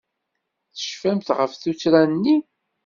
Tecfamt ɣef tuttra-nni?